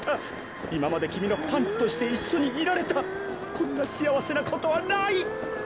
いままできみのパンツとしていっしょにいられたこんなしあわせなことはない！